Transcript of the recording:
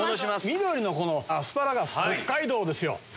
緑のアスパラガス北海道ですよ。